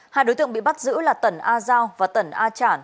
hai đối tượng bị bắt giữ là tần a giao và tần a trản